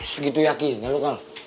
segitu yakin ya lo kak